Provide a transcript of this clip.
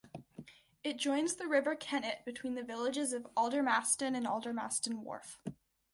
It joins the River Kennet between the villages of Aldermaston and Aldermaston Wharf.